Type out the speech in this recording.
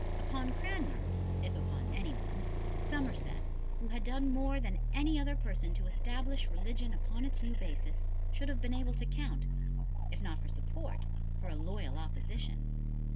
Upon Cranmer, if upon any one, Somerset, who had done more than any other person to establish religion upon its new basis, should have been able to count, if not for support, for a loyal opposition.